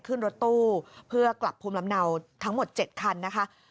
ขึ้นรถตู้เพื่อกลับภูมิลำเนาทั้งหมด๗คันนะคะ